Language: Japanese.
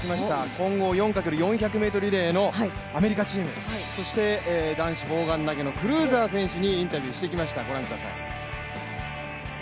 混合４×４００ｍリレーのアメリカチーム、そして男子砲丸投のクルーザー選手にインタビューしてきました、ご覧ください。